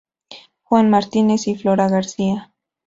Juan Martínez y Flora García.